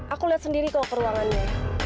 aku lihat sendiri kok peruangannya